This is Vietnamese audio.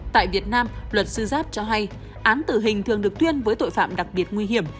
tại việt nam luật sư giáp cho hay án tử hình thường được thuyên với tội phạm đặc biệt nguy hiểm